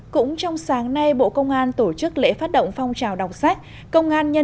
cũng trong sáng nay bộ công an tổ chức lễ phát động phong trào đọc sách